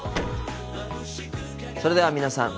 それでは皆さん